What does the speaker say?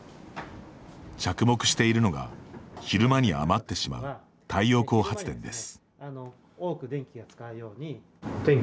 着目しているのが、昼間に余ってしまう太陽光発電です。